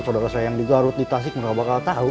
saudara saya yang digarut ditasik mereka bakal tau